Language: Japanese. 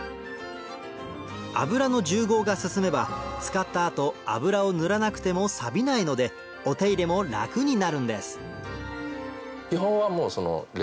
油の重合が進めば使った後油を塗らなくてもさびないのでお手入れも楽になるんです基本はもう。